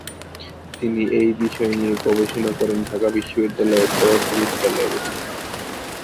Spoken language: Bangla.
তিনি এই বিষয় নিয়ে গবেষণা করেন ঢাকা বিশ্ববিদ্যালয়ের পদার্থবিদ্যা ল্যাবে।